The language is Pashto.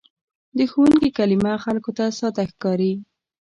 د ښوونکي کلمه خلکو ته ساده ښکاري.